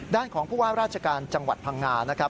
ด้านของพวกว่าราชการจังหวัดพังงา